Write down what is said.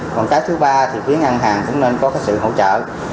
còn cái thứ ba thì phía ngân hàng cũng nên có cái sự hỗ trợ